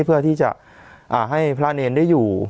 เพื่อที่จะให้พระเนรได้อยู่